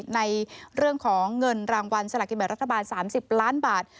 ในเรื่องของเงินรางวัลสละกินแบบรัฐบาล๓๐ล้านบาท